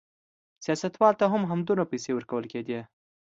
سیاستوالو ته هم همدومره پیسې ورکول کېدې.